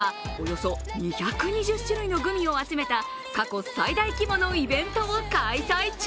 一方、渋谷ロフトではおよそ２２０種類のグミを集めた過去最大規模のイベントを開催中。